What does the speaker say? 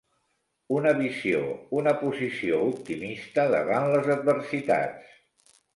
Una visió, una posició optimista davant les adversitats.